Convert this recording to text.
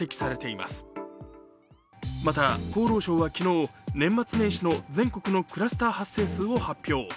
また、厚労省は昨日年末年始の全国のクラスター発生数を発表。